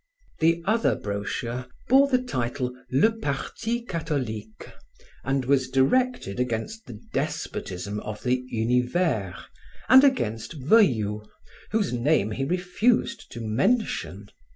The other brochure bore the title le Parti catholique and was directed against the despotism of the Univers and against Veuillot whose name he refused to mention.